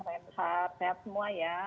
sehat sehat semua ya